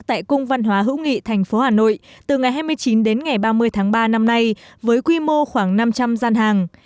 tại cung văn hóa hữu nghị thành phố hà nội từ ngày hai mươi chín đến ngày ba mươi tháng ba năm nay với quy mô khoảng năm trăm linh gian hàng